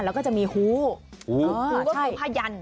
แล้วก็จะมีฮูฮูก็คือผ้ายัน